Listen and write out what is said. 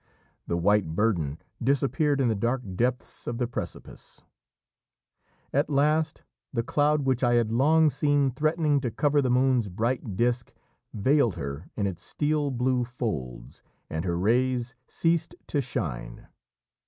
The white burden disappeared in the dark depths of the precipice. At last the cloud which I had long seen threatening to cover the moon's bright disc veiled her in its steel blue folds, and her rays ceased to shine.